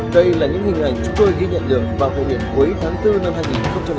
đây là những hình ảnh chúng tôi ghi nhận được vào hội viện cuối tháng bốn năm hai nghìn một mươi chín